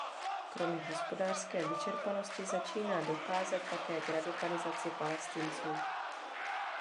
Kromě hospodářské vyčerpanosti začíná docházet také k radikalizaci Palestinců.